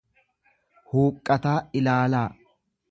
huuqqataa ilaalaa.